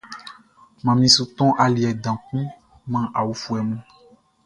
Manmi su tɔn aliɛ dan kun man awlobofuɛ mun.